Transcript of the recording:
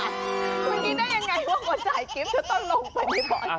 เมื่อกี้ได้ยังไงว่าคนถ่ายคลิปจะต้องลงไปในบ่า